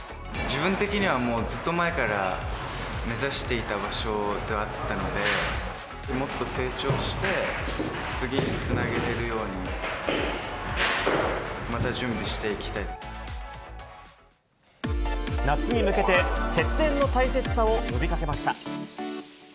自分的にはもうずっと前から、目指していた場所ではあったので、もっと成長して、次につなげれるように、夏に向けて、節電の大切さを呼びかけました。